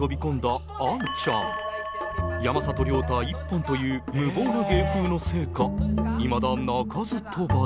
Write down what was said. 山里亮太一本という無謀な芸風のせいかいまだ。